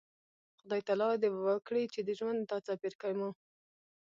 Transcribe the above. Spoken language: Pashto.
خدای تعالی د وکړي چې د ژوند دا څپرکی مو